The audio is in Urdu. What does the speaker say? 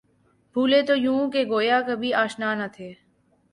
بُھولے تو یوں کہ گویا کبھی آشنا نہ تھے